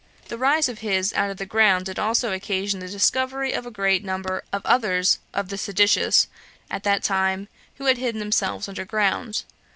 This rise of his out of the ground did also occasion the discovery of a great number of others of the seditious at that time, who had hidden themselves under ground.